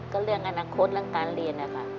ก็เรื่องอนาคตแล้วการเรียนอะค่ะ